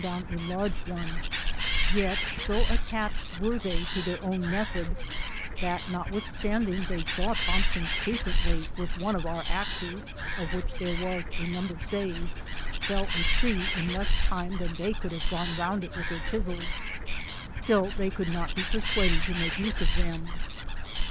down a large one; yet go attached were they to their own method, that notwithalanding they saw Thompson frequently with one of cur a>;e8, of which there was a number saved, fell a tree in less time tiiaa Ihey could have g;one round it with their chisels, siill they cotiid aot be persuaded to ttsalie Use of them.